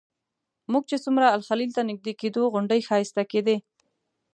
موږ چې څومره الخلیل ته نږدې کېدو غونډۍ ښایسته کېدې.